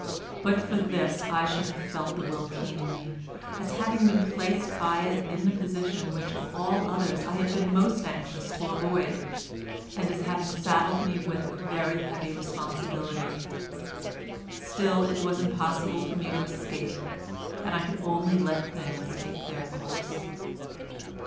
But for this I should have felt the will keenly, as having been placed by it in the position which of all others I had been most anxious to avoid, and as having saddled me with a very heavy responsibility. Still it was impossible for me to escape, and I could only let things take their course.